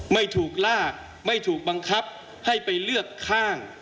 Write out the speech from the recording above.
ไม่ถูกลากไม่ถูกบังคับให้ไปเลือกข้าง